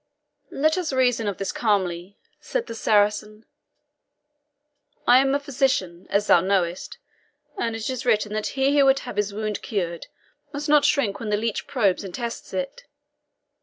"Let us reason of this calmly," said the Saracen. "I am a physician, as thou knowest, and it is written that he who would have his wound cured must not shrink when the leech probes and tests it.